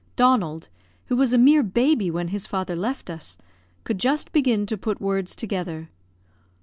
Donald, who was a mere baby when his father left us, could just begin to put words together.